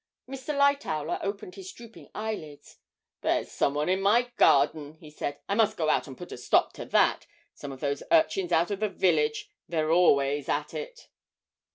Mr. Lightowler opened his drooping eyelids: 'There's some one in my garden,' he said. 'I must go out and put a stop to that some of those urchins out of the village they're always at it!'